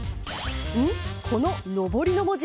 この、のぼりの文字。